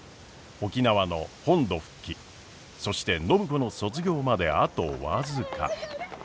沖縄の本土復帰そして暢子の卒業まであと僅か。